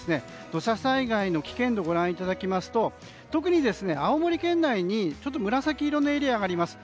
土砂災害の危険度をご覧いただきますと特に青森県内に紫色のエリアがあります。